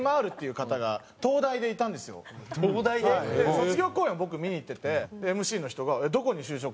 卒業公演を僕見に行っててＭＣの人が「どこに就職するの？」